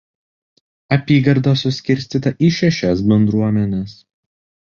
Apygarda suskirstyta į šešias bendruomenes.